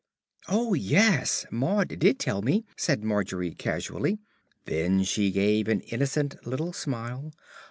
"Oh, yes, Maud did tell me," said Margery casually. Then she gave an innocent little smile.